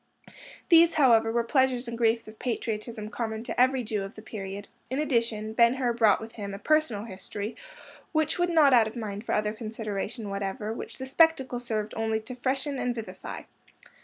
These, however, were pleasures and griefs of patriotism common to every Jew of the period; in addition, Ben Hur brought with him a personal history which would not out of mind for other consideration whatever, which the spectacle served only to freshen and vivify.